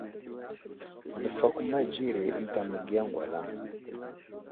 Nəfakoma dzire ənta məgiya ŋgalaŋ.